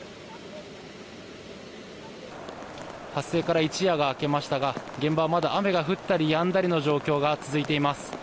発生から一夜が明けましたが現場はまだ雨が降ったりやんだりの状況が続いています。